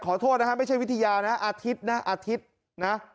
ขอโทษนะฮะไม่ใช่วิทยานะอาทิตย์นะอาทิตย์นะ